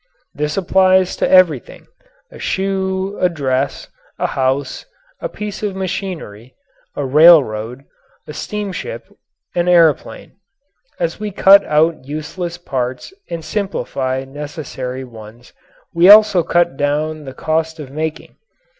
This applies to everything a shoe, a dress, a house, a piece of machinery, a railroad, a steamship, an airplane. As we cut out useless parts and simplify necessary ones we also cut down the cost of making.